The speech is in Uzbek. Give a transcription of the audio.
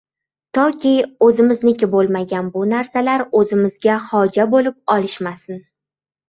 Toki o‘zimizniki bo‘lmagan bu narsalar o‘zimizga xoja bo‘lib olishmasin.